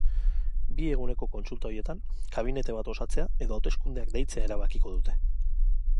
Bi eguneko kontsulta horietan kabinete bat osatzea edo hauteskundeak deitzea erabakiko dute.